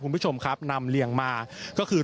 คุณผู้ชมครับนำเลียงมาก็คือ